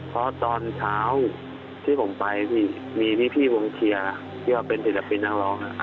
เพราะตอนเช้าที่ผมไปพี่มีพี่วงเชียร์ที่ว่าเป็นศิลปินนักร้อง